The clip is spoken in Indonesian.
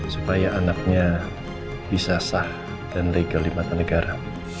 supaya anaknya bisa sah dan legal di mata negara